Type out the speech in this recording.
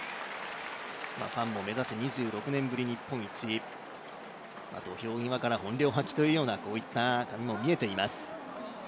ファンも「めざせ２６年ぶり日本一」土俵際から本領発揮といったところも見えています。